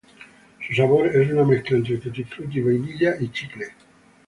Su sabor es una mezcla entre tutti-frutti, vainilla y chicle.